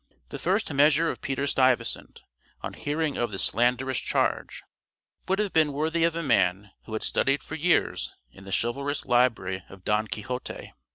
The first measure of Peter Stuyvesant, on hearing of this slanderous charge, would have been worthy of a man who had studied for years in the chivalrous library of Don Quixote.